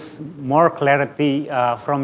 saya pikir ini memberikan lebih jelas